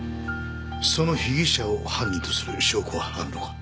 その被疑者を犯人とする証拠はあるのか？